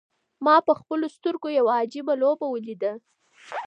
ما په خپلو سترګو یوه عجیبه لوبه ولیده.